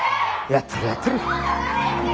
やっとるやっとる。